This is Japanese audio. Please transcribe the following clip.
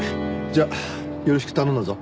じゃあよろしく頼むぞ。